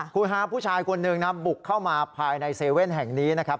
คุณฮาผู้ชายคนหนึ่งนะบุกเข้ามาภายใน๗๑๑แห่งนี้นะครับ